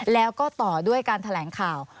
แล้วก็ต่อด้วยการแถลงข่าว